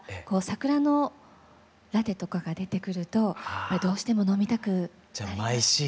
こう桜のラテとかが出てくるとどうしても飲みたくなります。